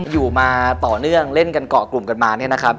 อยู่มาต่อเนื่องเล่นกันเกาะกลุ่มกันมาเนี่ยนะครับ